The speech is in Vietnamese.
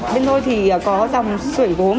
bên tôi thì có dòng sửa gốm